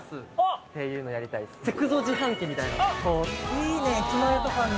いいね駅前とかに。